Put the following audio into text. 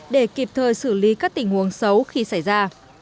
để kịp thời xử lý các tình huống xấu khi xảy ra